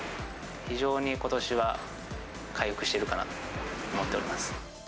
非常にことしは回復してるかなと思っております。